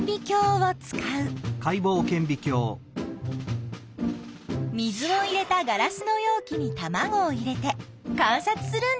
水を入れたガラスのよう器にたまごを入れて観察するんだ。